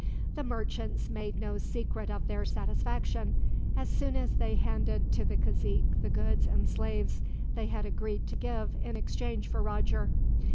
The merchants made no secret of their satisfaction, as soon as they had handed to the cazique the goods and slaves they had agreed to give, in exchange for Roger.